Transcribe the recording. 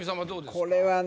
これはね